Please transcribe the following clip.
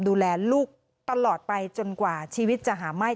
ดูแลลูกตลอดไปจนกว่าชีวิตจะหาไหม้